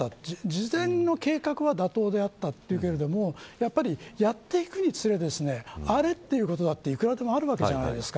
事前の計画は妥当であったというけれどもやっていくにつれてあれっということがいくらでもあるわけです。